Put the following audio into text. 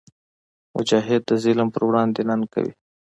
مجاهد د ظالم پر وړاندې ننګ کوي.